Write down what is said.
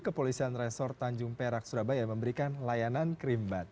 kepolisian resor tanjung perak surabaya memberikan layanan kerimbat